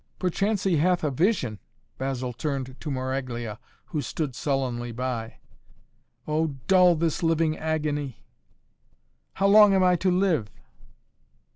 "Perchance he hath a vision," Basil turned to Maraglia who stood sullenly by. "Oh, dull this living agony." "How long am I to live?"